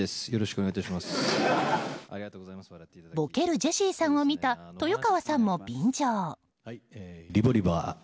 ボケるジェシーさんを見た豊川さんも便乗。